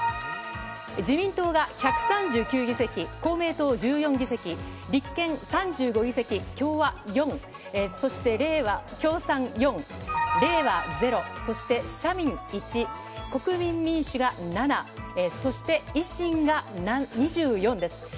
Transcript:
自民党が１３９議席、公明党１４議席、立憲３５議席、共産４、そしてれいわ、共産４、れいわ０、社民１、国民民主が７、そして維新が２４です。